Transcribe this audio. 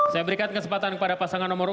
saya berikan kesempatan kepada pasangan nomor urut